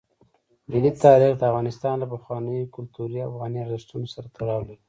ملي تاریخ د افغانستان له پخوانیو کلتوري او افغاني ارزښتونو سره تړاو لري.